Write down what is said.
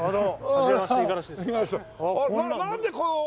はじめまして五十嵐です。